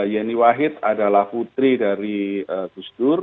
yeni wahid adalah putri dari gustaf